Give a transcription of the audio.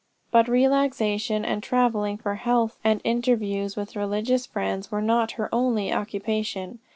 "But relaxation and travelling for health and interviews with religious friends, were not her only occupation.